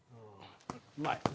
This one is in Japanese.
うまい。